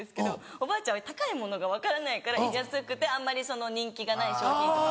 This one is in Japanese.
おばあちゃんは高いものが分からないから安くてあんまり人気がない商品とか。